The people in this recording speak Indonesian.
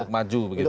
untuk maju begitu ya